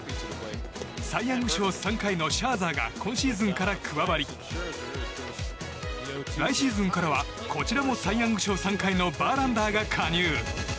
サイ・ヤング賞３回のシャーザーが今シーズンから加わり来シーズンからはこちらもサイ・ヤング賞３回のバーランダーが加入。